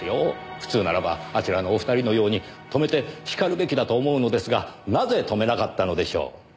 普通ならばあちらのお二人のように止めてしかるべきだと思うのですがなぜ止めなかったのでしょう？